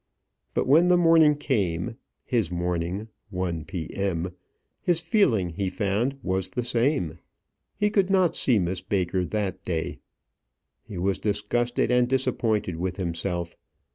But when the morning came his morning, one P.M. his feeling he found was the same. He could not see Miss Baker that day. He was disgusted and disappointed with himself.